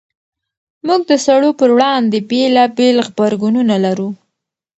موږ د سړو پر وړاندې بېلابېل غبرګونونه لرو.